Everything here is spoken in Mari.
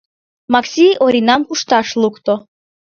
Макси Оринам кушташ лукто.